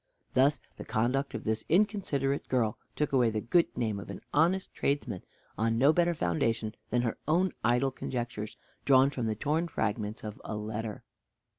Thus the conduct of this inconsiderate girl took away the good name of an honest tradesman, on no better foundation than her own idle conjectures, drawn from the torn fragments of a letter.